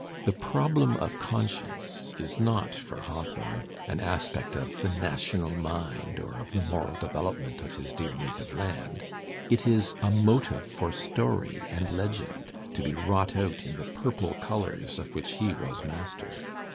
The problem of conscience is not for Hawthorne an aspect of the national mind or of the moral development of his "dear native land." It is a motive for story and legend to be wrought out in the purple colours of which he was master.